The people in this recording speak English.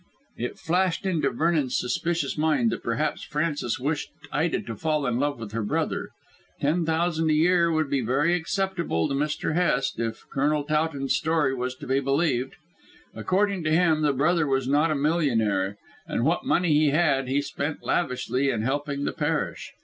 It flashed into Vernon's suspicious mind that perhaps Frances wished Ida to fall in love with her brother. Ten thousand a year would be very acceptable to Mr. Hest, if Colonel Towton's story was to be believed. According to him the brother was not a millionaire, and what money he had he spent lavishly in helping the parish.